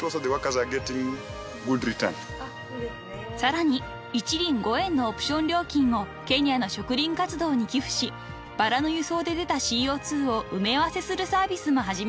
［さらに１輪５円のオプション料金をケニアの植林活動に寄付しバラの輸送で出たＣＯ２を埋め合わせするサービスも始めました］